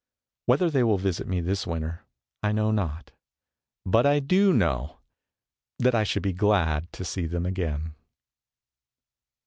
Whether they will visit me this winter I know not, but I do know that I should be glad to see them again.